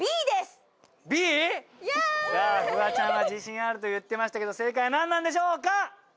さあフワちゃんは自信あると言ってましたけど正解は何なんでしょうか？